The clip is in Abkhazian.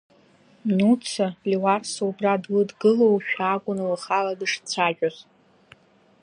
Нуца, Леуарса убра длыдгылоушәа акәын лхала дышцәажәоз.